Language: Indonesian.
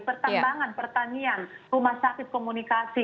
pertambangan pertanian rumah sakit komunikasi